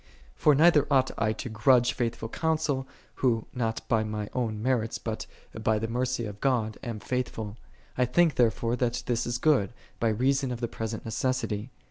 For neither ought I to grudge faithful, counsel, who not by my own merits, but by the mercy of God, am faith ful. " I think therefore that this is good, by reason of the present necessity."